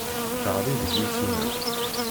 Teɣli deg yisunan.